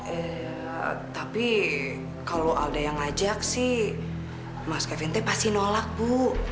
eh tapi kalau alda yang ajak sih mas kevin t pasti nolak bu